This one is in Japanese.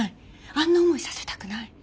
あんな思いさせたくない。